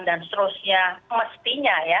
dan seterusnya mestinya ya